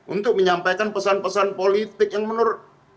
untuk menyampaikan pesan pesan politik yang menurut